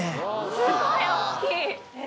すごい大っきい。